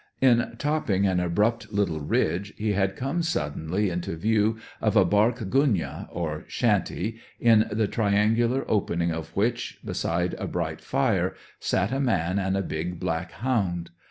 In topping an abrupt little ridge, he had come suddenly into full view of a bark gunyah or shanty, in the triangular opening of which, beside a bright fire, sat a man and a big black hound.